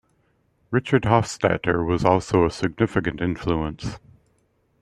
Richard Hofstadter was also a significant influence.